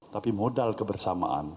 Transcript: tapi modal kebersamaan